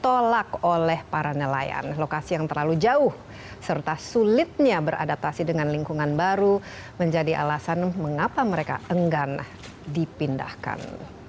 ditolak oleh para nelayan lokasi yang terlalu jauh serta sulitnya beradaptasi dengan lingkungan baru menjadi alasan mengapa mereka enggan dipindahkan